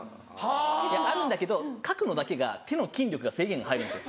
あるんだけど書くのだけが手の筋力が制限が入るんですよ。